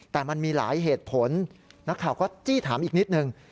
แต่มันมีหลายเหตุผลนักข่าวก็จี้ถามอีกนิดนึง